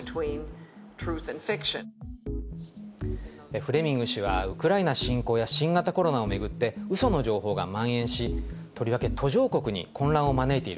フレミング氏は、ウクライナ侵攻や新型コロナを巡って、うその情報がまん延し、とりわけ途上国に混乱を招いている。